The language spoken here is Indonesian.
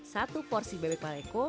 satu porsi bebek paleko